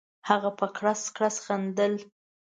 هغه په کړس کړس خندل.